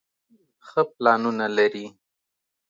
ښۀ پلانونه لري